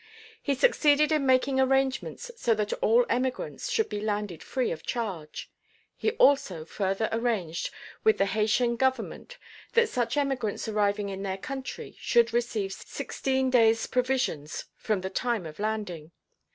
He succeeded in making arrangements so that all emigrants should be landed free of charge. He also further arranged with the Haytian government that such emigrants arriving in their country should receive sixteen days' provisions from the time of landing.